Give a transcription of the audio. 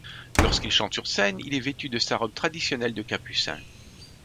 Lorsqu'il chante sur scène, il est vêtu de sa robe traditionnelle de capucin.